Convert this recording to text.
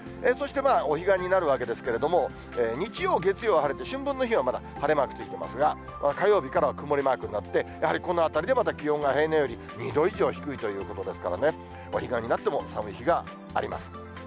そして、お彼岸になるわけですけれども、日曜、月曜は晴れて、春分の日はまた、晴れマークついてますが、火曜日からは曇りマークになって、やはりこのあたりでまた気温が平年より２度以上低いということですからね、お彼岸になっても寒い日があります。